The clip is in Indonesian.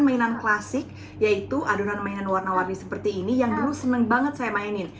mainan klasik yaitu adonan mainan warna warni seperti ini yang dulu seneng banget saya mainin